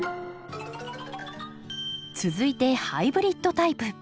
続いてハイブリッドタイプ。